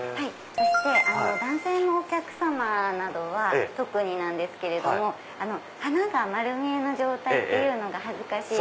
そして男性のお客様などは特になんですけれども花が丸見えの状態が恥ずかしい。